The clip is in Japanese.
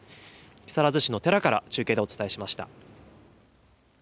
木更津市の寺から中継でお伝えしました。